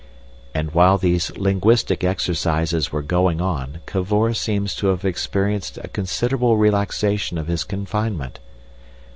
And while these linguistic exercises were going on Cavor seems to have experienced a considerable relaxation of his confinement.